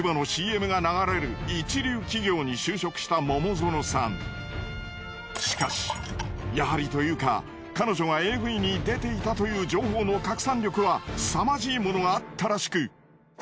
その後しかしやはりというか彼女がＡＶに出ていたという情報の拡散力は凄まじいものがあったらしく。